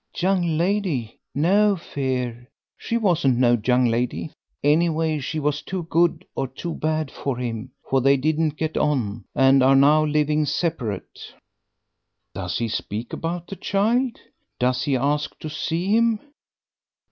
"Young lady! No fear, she wasn't no young lady. Anyway, she was too good or too bad for him; for they didn't get on, and are now living separate." "Does he speak about the child? Does he ask to see him?"